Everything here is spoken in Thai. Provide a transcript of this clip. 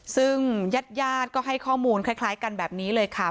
ซึ่งญาติก็ให้ข้อมูลคล้ายกันแบบนี้เลยค่ะ